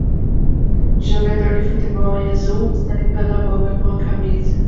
Jogador de futebol em azul está limpando a boca com a camisa